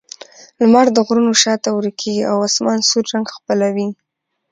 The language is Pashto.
لمر د غرونو شا ته ورکېږي او آسمان سور رنګ خپلوي.